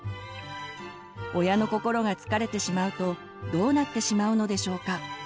親の心が疲れてしまうとどうなってしまうのでしょうか。